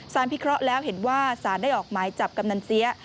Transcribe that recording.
พิเคราะห์แล้วเห็นว่าสารได้ออกหมายจับกำนันเสีย